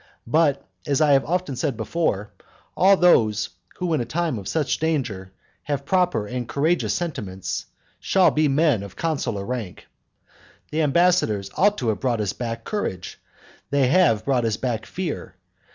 But, as I have often said before, all those who in a time of such danger have proper and courageous sentiments shall be men of consular rank. The ambassadors ought to have brought us back courage, they have brought us back fear.